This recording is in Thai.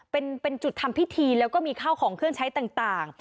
เป็นจุดทำพิธีแล้วก็มีข้าวของเครื่องใช้ต่าง